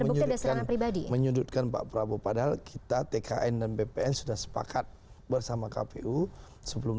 menyudutkan pribadi menyudutkan pak prabowo padahal kita tkn dan bpn sudah sepakat bersama kpu sebelum